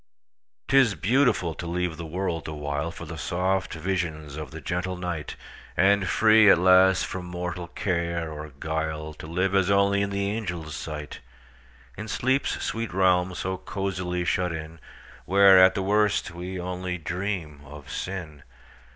'T is beautiful to leave the world awhileFor the soft visions of the gentle night; And free, at last, from mortal care or guile, To live as only in the angels' sight, In sleep's sweet realm so cosily shut in, Where, at the worst, we only dream of sin!